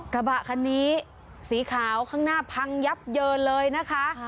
กระบะคันนี้สีขาวข้างหน้าพังยับเยินเลยนะคะ